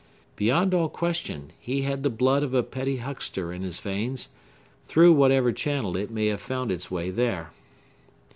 Beyond all question, he had the blood of a petty huckster in his veins, through whatever channel it may have found its way there.